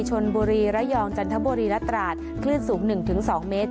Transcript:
ชลบุรีระยองจันทบุรีรัตราดคลื่นสูงหนึ่งถึงสองเมตร